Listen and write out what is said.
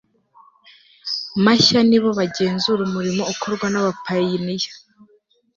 mashya Ni bo bagenzura umurimo ukorwa n abapayiniya